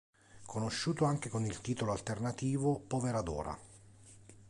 Conosciuto anche con il titolo alternativo: "Povera Dora!